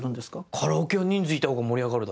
カラオケは人数いた方が盛り上がるだろ。